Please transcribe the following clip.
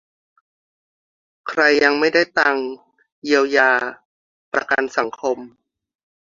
ใครยังไม่ได้ตังค์ เยียวยา ประกันสังคม